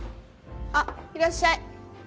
あっいらっしゃい。